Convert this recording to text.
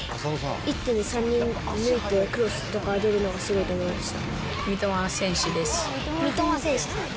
一気に３人抜いて、クロスとか入れるのがすごいと思いました